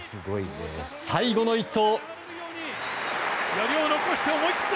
最後の１投。